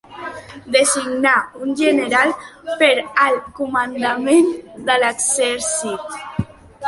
Designar un general per al comandament de l'exèrcit.